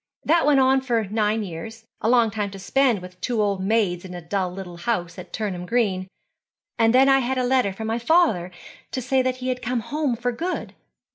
That went on for nine years, a long time to spend with two old maids in a dull little house at Turnham Green, and then I had a letter from my father to say he had come home for good.